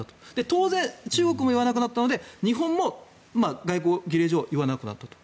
当然、中国も言わなくなったので日本も外交儀礼上言わなくなったと。